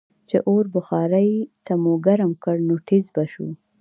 چې اور بخارۍ ته مو ګرم کړ نو ټیزززز به شو.